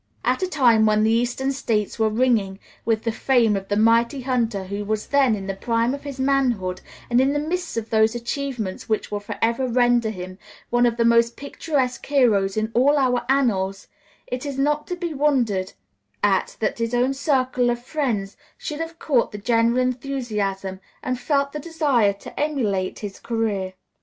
At a time when the Eastern States were ringing with the fame of the mighty hunter who was then in the prime of his manhood, and in the midst of those achievements which will forever render him one of the most picturesque heroes in all our annals, it is not to be wondered at that his own circle of friends should have caught the general enthusiasm and felt the desire to emulate his career.